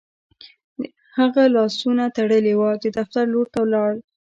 د هغه لاسونه تړلي وو او د دفتر لور ته لاړ